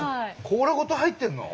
甲羅ごと入ってんの？